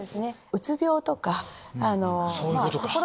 うつ病とか。